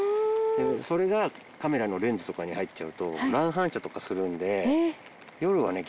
それがカメラのレンズとかに入っちゃうと乱反射とかするんで夜はね